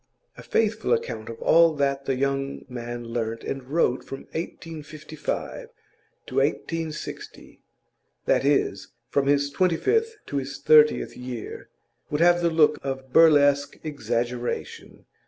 A faithful account of all that the young man learnt and wrote from 1855 to 1860 that is, from his twenty fifth to his thirtieth year would have the look of burlesque exaggeration.